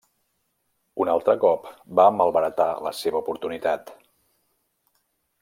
Un altre cop va malbaratar la seva oportunitat.